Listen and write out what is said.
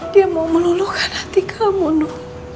dia mau meluluhkan hati kamu